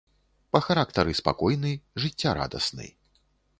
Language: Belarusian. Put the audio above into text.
Па характары спакойны, жыццярадасны.